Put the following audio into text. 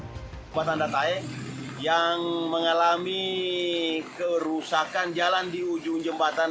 jembatan datai yang mengalami kerusakan jalan di ujung jembatan